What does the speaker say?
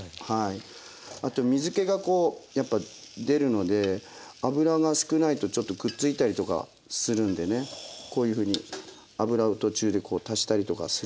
あと水けがこうやっぱ出るので油が少ないとちょっとくっついたりとかするんでねこういうふうに油を途中で足したりとかするのもいいんじゃないかなと思います。